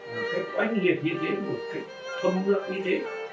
và cách oanh nghiệt như thế một cách thâm lặng như thế